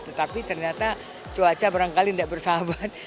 tetapi ternyata cuaca barangkali tidak bersahabat